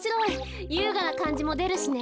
ゆうがなかんじもでるしね。